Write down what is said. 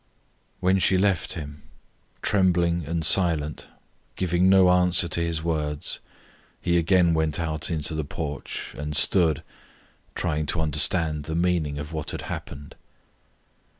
When she left him, trembling and silent, giving no answer to his words, he again went out into the porch and stood trying to understand the meaning of what had happened.